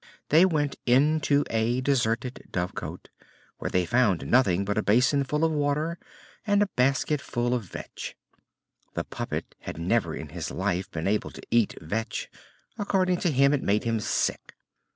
They went into a deserted dovecote, where they found nothing but a basin full of water and a basket full of vetch. The puppet had never in his life been able to eat vetch: according to him it made him sick.